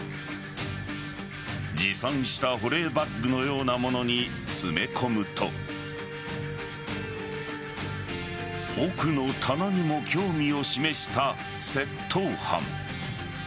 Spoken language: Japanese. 持参した保冷バッグのようなものに詰め込むと奥の棚にも興味を示した窃盗犯。